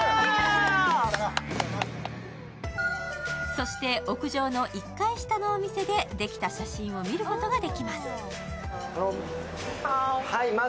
そして屋上の１階下のお店でできた写真を見ることができます。